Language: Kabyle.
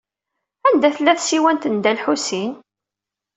Anda tella tsiwant n Dda Lḥusin?